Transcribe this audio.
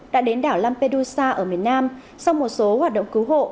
đã đến đảo lampedusa ở miền nam sau một số hoạt động cứu hộ